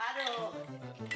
aduh aduh aduh